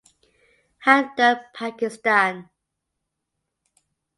Hamdard Pakistan